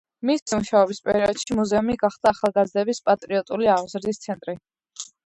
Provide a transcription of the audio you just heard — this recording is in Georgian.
მისი მუშაობის პერიოდში მუზეუმი გახდა ახალგაზრდების პატრიოტული აღზრდის ცენტრი.